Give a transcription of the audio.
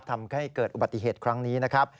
ทำให้เกิดอุบัติเหตุครั้งนี้